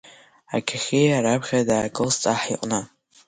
Ақьаҳиа раԥхьа даакылст аҳ иҟны.